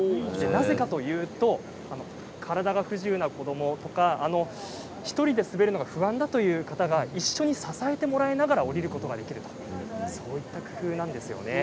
なぜかというと体が不自由な子どもとか１人で滑るのは不安だという方が一緒に支えてもらいながら下りることができるというそういった工夫があります。